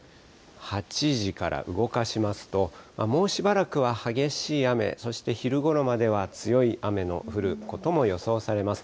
８時から動かしますと、もうしばらくは激しい雨、そして昼ごろまでは強い雨の降ることも予想されます。